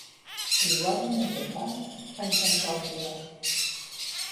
Eduardo Mendoza? —va intentar el Pere.